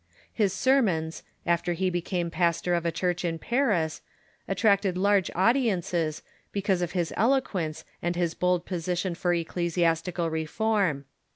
His sermons, after he became pastor of a church in Paris, attracted large audiences, because of his eloquence and his bold position for ecclesiastical reform.